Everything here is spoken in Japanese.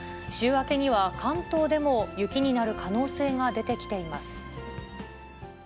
週明けには、関東でも雪になる可能性が出てきています。